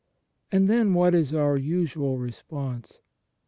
And then what is our usual response?